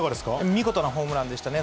見事なホームランでしたね。